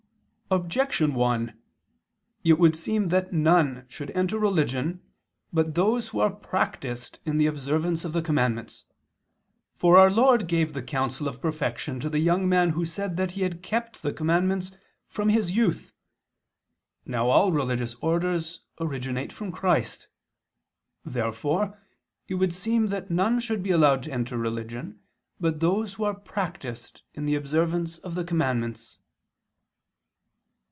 Objection 1: It would seem that none should enter religion but those who are practiced in the observance of the commandments. For our Lord gave the counsel of perfection to the young man who said that he had kept the commandments "from his youth." Now all religious orders originate from Christ. Therefore it would seem that none should be allowed to enter religion but those who are practiced in the observance of the commandments.